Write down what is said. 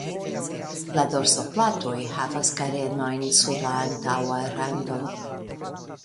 La dorsoplatoj havas karenojn sur la antaŭa rando.